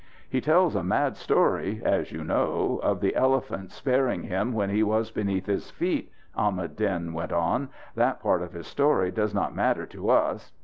"He tells a mad story, as you know, of the elephant sparing him when he was beneath his feet," Ahmad Din went on; "that part of his story does not matter to us.